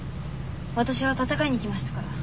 私は戦いに来ましたから。